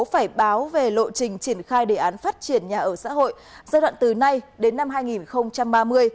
phải báo về lộ trình triển khai đề án phát triển nhà ở xã hội giai đoạn từ nay đến năm hai nghìn ba mươi